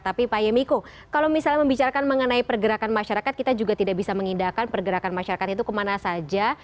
tapi pak yemiko kalau misalnya membicarakan mengenai pergerakan masyarakat kita juga tidak bisa mengindahkan pergerakan masyarakat itu kemana saja